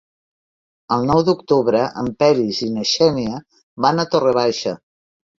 El nou d'octubre en Peris i na Xènia van a Torre Baixa.